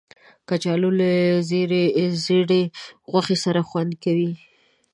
کچالو له زېړې غوښې سره خوند کوي